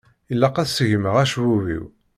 Ilaq ad segmeγ acebbub-iw.